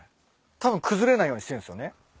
たぶん崩れないようにしてんすよね。